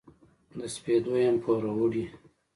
د سپېدو یم پوروړي